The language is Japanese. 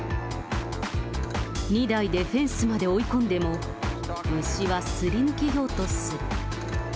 ２台でフェンスまで追い込んでも、牛はすり抜けようとする。